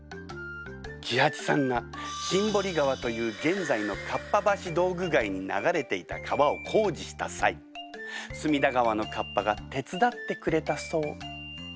喜八さんが新堀川という現在のかっぱ橋道具街に流れていた川を工事した際隅田川のかっぱが手伝ってくれたそう。